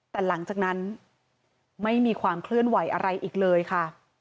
แต่หลังจากนั้นไม่มีความเคลื่อนไหวอะไรอีกเลยค่ะ